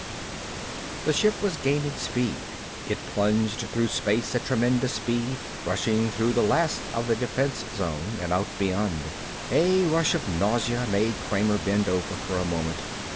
The ship was gaining speed. It plunged through space at tremendous speed, rushing through the last of the defense zone and out beyond. A rush of nausea made Kramer bend over for a moment.